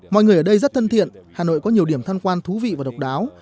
mọi người ở đây rất thân thiện hà nội có nhiều điểm tham quan thú vị và độc đáo